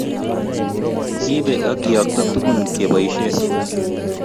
Kiibe akeyokto tukun keboishee